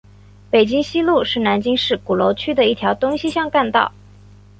北京西路是南京市鼓楼区的一条东西向干道。